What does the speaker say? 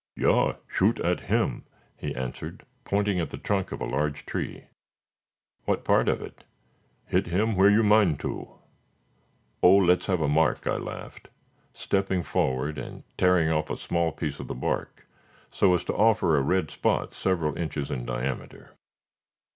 "Yaw! shoot at him," he answered, pointing at the trunk of a large tree. "What part of it?" "Hit him where you mind to." "Oh, let's have a mark," I laughed, stepping forward and tearing off a small piece of the bark, so as to offer a red spot several inches in diameter.